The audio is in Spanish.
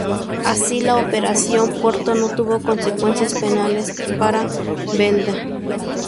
Así, la Operación Puerto no tuvo consecuencias penales para Belda.